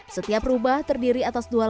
setiap rubah terdiri atas